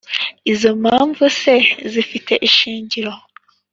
Izo mpamvu se zifite ishingiro?